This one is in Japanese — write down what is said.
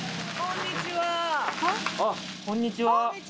あっこんにちは。